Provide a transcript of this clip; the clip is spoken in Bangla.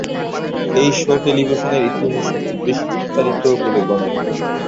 এই শো' টেলিভিশনের ইতিহাসে সবচেয়ে বেশি প্রচারিত বলে গণ্য।